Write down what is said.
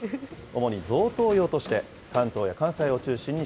主に贈答用として、関東や関西をきれいな色で。